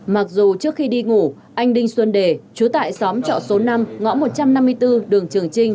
mặc dù trước khi đi ngủ anh đinh xuân đề chú tại xóm trọ số năm ngõ một trăm năm mươi bốn đường trường trinh